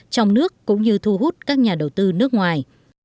trong nước cũng như thu hút các nhà đầu tư nước ngoài